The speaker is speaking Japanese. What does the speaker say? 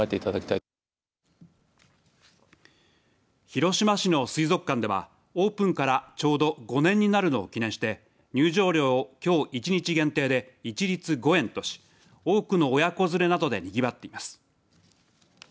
広島市の水族館ではオープンからちょうど５年になるのを記念して入場料を、きょう１日限定で一律５円とし多くの親子連れなどで、にぎわっています。